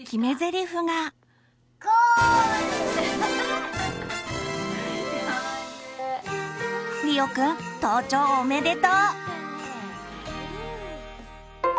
りおくん登頂おめでとう！